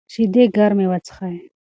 شیدې ګرمې وڅښئ.